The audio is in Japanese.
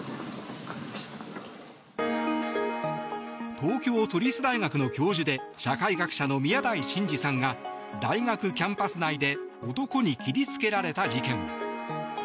東京都立大学の教授で社会学者の宮台真司さんが大学キャンパス内で男に切り付けられた事件。